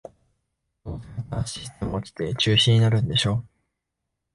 どうせまたシステム落ちて中止になるんでしょ